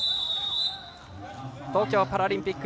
東京パラリンピック